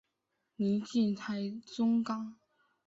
临近台中港。